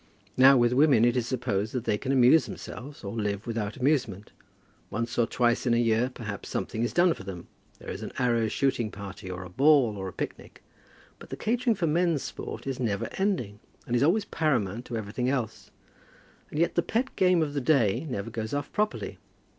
Now, with women, it is supposed that they can amuse themselves or live without amusement. Once or twice in a year, perhaps something is done for them. There is an arrow shooting party, or a ball, or a picnic. But the catering for men's sport is never ending, and is always paramount to everything else. And yet the pet game of the day never goes off properly.